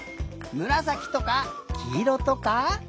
むらさきとかきいろとか。